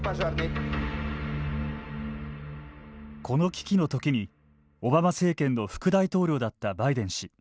この危機のときにオバマ政権の副大統領だったバイデン氏。